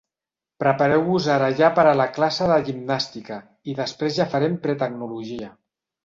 Prepareu-vos ara ja per a la classe de gimnàstica i després ja farem pretecnologia.